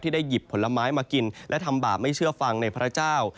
ได้หยิบผลไม้มากินและทำบาปไม่เชื่อฟังในพระเจ้า